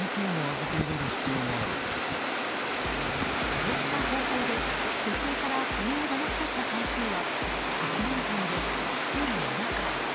こうした方法で女性から金をだまし取った回数は６年間で１００７回。